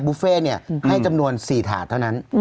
บุฟเฟ่เนี่ยให้จำนวน๔ถาดเท่านั้น